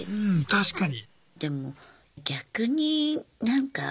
確かに。